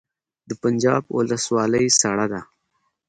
د پنجاب ولسوالۍ سړه ده